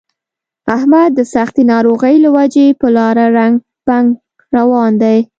احمد د سختې ناروغۍ له وجې په لاره ړنګ بنګ روان دی.